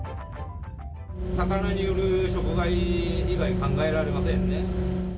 魚による食害以外、考えられませんね。